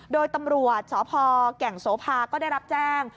โดยตำรวจสพแก่งโสภาก็ได้รับแจ้ง